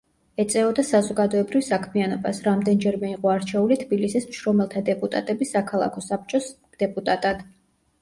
ეწეოდა საზოგადოებრივ საქმიანობას, რამდენჯერმე იყო არჩეული თბილისის მშრომელთა დეპუტატების საქალაქო საბჭოს დეპუტატად.